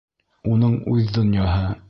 Уның үҙ донъяһы.